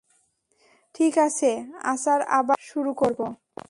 ঠিক আছে, আচার আবার শুরু করব।